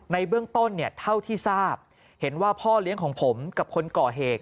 ในเบื้องต้นเนี่ยเท่าที่ทราบเห็นว่าพ่อเลี้ยงของผมกับคนก่อเหตุ